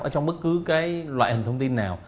ở trong bất cứ loại hình thông tin nào